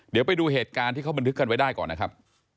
เดี๋ยวไปดูเหตุการณ์ที่เขาบันทึกกันไว้ได้ก่อนนะครับ